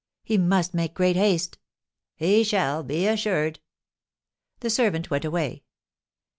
"He must make great haste." "He shall, be assured." The servant went away.